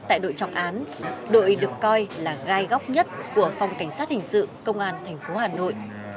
tại đội trọng án đội được coi là gai góc nhất của phòng cảnh sát hình sự công an thành phố hà nội